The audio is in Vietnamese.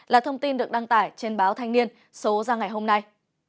là thông tin được đăng tải trên báo thanh niên số ra ngày hôm nay